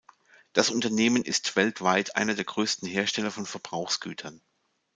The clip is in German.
Das Unternehmen ist weltweit einer der größten Hersteller von Verbrauchsgütern.